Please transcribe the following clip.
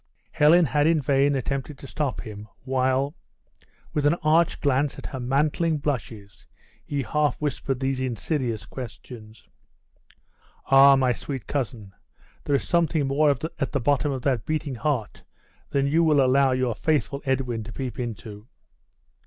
Helen had in vain attempted to stop him, while, with an arch glance at her mantling blushes, he half whispered these insidious questions. "Ah, my sweet cousin, there is something more at the bottom of that beating heart than you will allow your faithful Edwin to peep into."